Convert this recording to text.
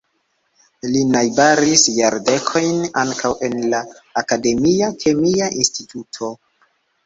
Li laboris jardekojn ankaŭ en la akademia kemia instituto.